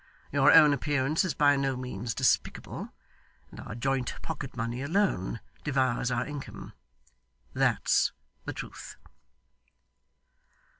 Your own appearance is by no means despicable, and our joint pocket money alone devours our income. That's the truth.